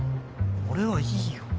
俺はいいよ。